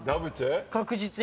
確実に。